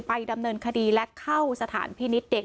ดำเนินคดีและเข้าสถานพินิษฐ์เด็ก